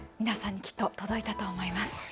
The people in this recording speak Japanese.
皆さん、きっと届いたと思います。